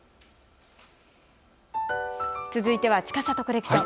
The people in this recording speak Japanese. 続いては、ちかさとコレクション。